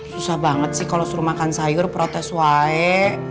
susah banget sih kalau suruh makan sayur protes wie